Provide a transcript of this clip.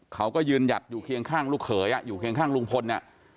เขาก็ยืนหยัดอยู่เคียงข้างลูกเขยอยู่เคียงข้างลุงพล